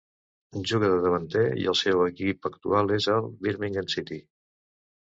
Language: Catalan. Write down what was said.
Juga de davanter i el seu equip actual és el Birmingham City.